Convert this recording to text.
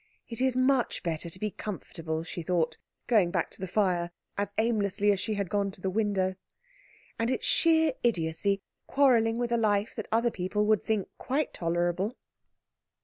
"It is much better to be comfortable," she thought, going back to the fire as aimlessly as she had gone to the window, "and it is sheer idiocy quarrelling with a life that other people would think quite tolerable."